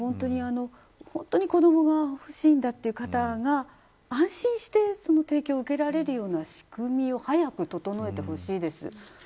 本当に子どもがほしいんだという方が安心して提供を受けられるような仕組みを早く整えてほしいです。